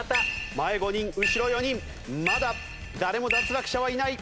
前５人後ろ４人まだ誰も脱落者はいない。